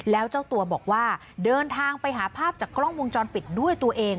แล้วเจ้าตัวบอกว่าเดินทางไปหาภาพจากกล้องวงจรปิดด้วยตัวเอง